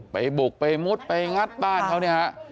ไปบุกไปมุดไปงัดบ้านเขาเนี่ยฮะ